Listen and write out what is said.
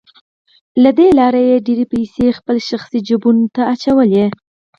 له دې لارې یې ډېرې پیسې خپلو شخصي جیبونو ته اچولې